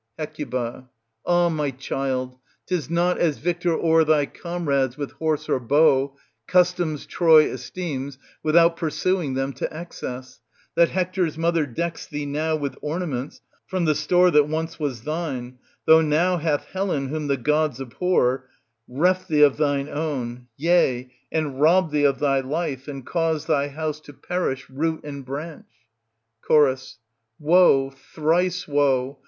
Hec. Ah ! my child, 'tis not as victor o'er thy comrades with horse or bow,— customs Troy esteems, without pursuing them to excess, — that Hector's mother decks thee now with ornaments from the store that once was thine, though now hath Helen, whom the gods abhor, reft thee of thine own, yea, and robbed thee of thy life and caused thy house to perish root and branch. Cho. Woe ! thrice woe